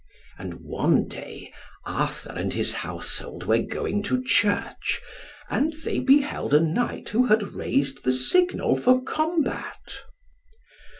And one day, Arthur and his household were going to Church, and they beheld a knight who had raised the signal for combat.